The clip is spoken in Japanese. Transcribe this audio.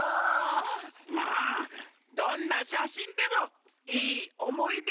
まあどんなしゃしんでもいいおもいでざんす。